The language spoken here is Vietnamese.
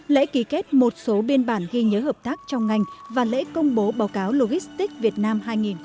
lễ ký kết một số biên bản ghi nhớ hợp tác trong ngành và lễ công bố báo cáo logistics việt nam hai nghìn hai mươi